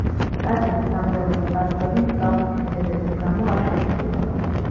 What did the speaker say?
ტაძრის სამრევლოს საზღვრები მსგავსი ქმედებების გამო არ შეცვლილა.